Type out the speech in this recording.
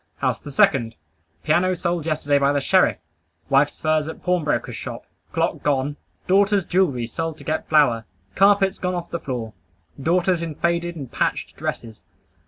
House the second. Piano sold yesterday by the sheriff. Wife's furs at pawnbroker's shop. Clock gone. Daughter's jewelry sold to get flour. Carpets gone off the floor. Daughters in faded and patched dresses.